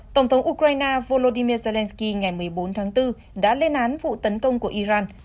tổng thống ukraine volodymyr zelensky ngày một mươi bốn tháng bốn đã lên án vụ tấn công của iran